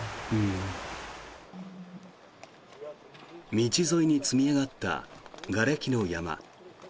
道沿いに積み上がったがれきの山。